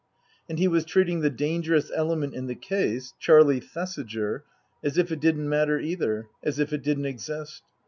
And he was treating the dangerous element in the case, Charlie Thesiger, as if it didn't matter either ; as if it didn't exist.